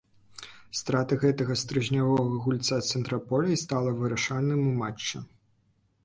Страта гэтага стрыжнявога гульца цэнтра поля й стала вырашальнай у матчы.